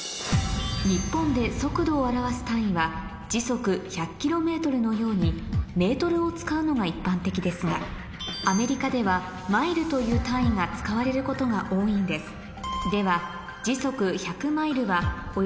日本で速度を表す単位は時速１００キロメートルのようにメートルを使うのが一般的ですがアメリカではマイルという単位が使われることが多いんですえ？